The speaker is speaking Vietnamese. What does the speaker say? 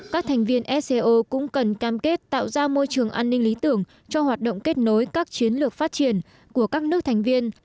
các thành viên sco cũng cần cam kết tạo ra môi trường an ninh lý tưởng cho hoạt động kết nối các chiến lược phát triển của các nước thành viên